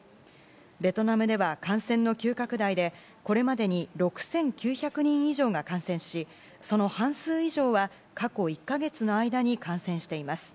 ベトナムでは感染の急拡大でこれまでに６９００人以上が感染しその半数以上は過去１か月の間に感染しています。